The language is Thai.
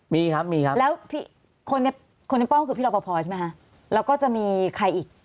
มีครับมีครับแล้วคนในคนในป้อมคือพี่รอปภใช่ไหมคะแล้วก็จะมีใครอีก